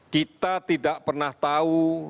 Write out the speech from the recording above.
kita tidak pernah tahu